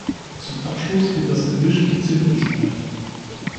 Zum Abschluss wird das Gemisch mit Zimt bestreut.